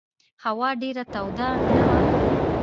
هوا ډېره توده نه وه.